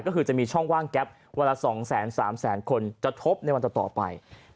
ก็คือจะมีช่องว่างแก๊ปวันละ๒๓แสนคนจะทบในวันต่อไป